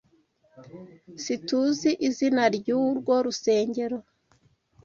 S SiTUZI izina ryurwo rusengero.